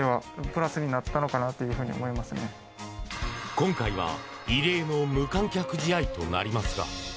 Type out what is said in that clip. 今回は異例の無観客試合となりますが。